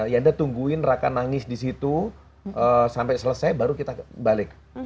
ya anda tungguin raka nangis di situ sampai selesai baru kita balik